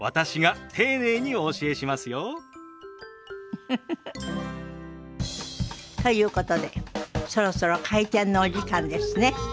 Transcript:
ウフフフ。ということでそろそろ開店のお時間ですね。